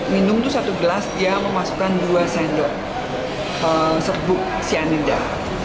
minum itu satu gelas dia memasukkan dua sendok serbuk cyanida